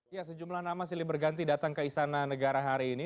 ya sejumlah nama silih berganti datang ke istana negara hari ini